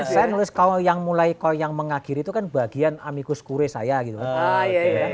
saya nulis kalau yang mulai yang mengakhiri itu kan bagian amikus kuris saya gitu ya